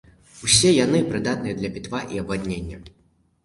Усе яны прыдатныя для пітва і абваднення.